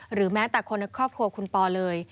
หรือแม้แต่คนในครอบครัวคุณปอเลย